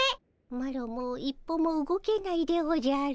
マロもう一歩も動けないでおじゃる。